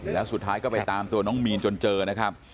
แล้วสุดท้ายก็ไปตามตัวน้องมีนจนเจอนะครับ